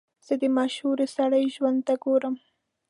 زه د مشهورو سړیو ژوند ته ګورم.